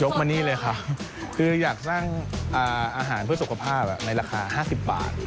มานี่เลยครับคืออยากสร้างอาหารเพื่อสุขภาพในราคา๕๐บาท